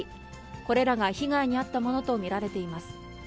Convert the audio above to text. これらが被害に遭ったものと見られています。